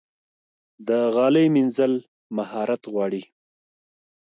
د غالۍ مینځل مهارت غواړي.